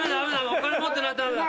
お金持ってないとダメだ。